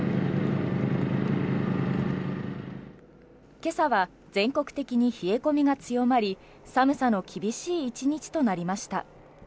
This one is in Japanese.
今朝は全国的に冷え込みが強まり寒さの厳しい１日となりました。